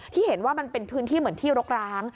ที่เห็นว่ามันเป็นพื้นที่เหมือนที่รกร้าง